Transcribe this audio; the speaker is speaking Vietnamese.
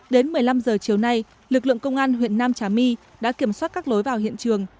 đến một mươi năm h chiều nay lực lượng công an huyện nam trà my đã kiểm soát các lối vào hiện trường